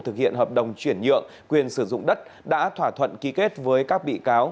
thực hiện hợp đồng chuyển nhượng quyền sử dụng đất đã thỏa thuận ký kết với các bị cáo